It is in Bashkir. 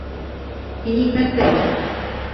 Һин икмәкте ал.